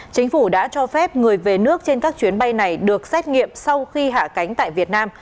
chính phủ đã cho phép người về nước trên các chuyến bay này được xét nghiệm sau khi hạ cánh tại việt nam